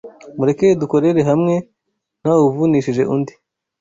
Mureke dukorere hamwe ntawuvunishije undi